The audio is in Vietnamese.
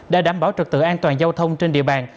để đảm bảo trực tự an toàn giao thông trên địa bàn